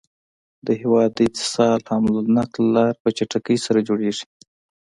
د هيواد د اتصال حمل نقل لاری په چټکی سره جوړيږي